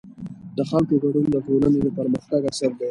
د خلکو ګډون د ټولنې د پرمختګ اصل دی